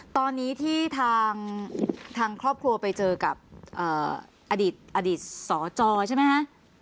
ตอนนี้ที่ทางครอบครัวไปเจอกับอดีตอดีตสจใช่ไหมคะ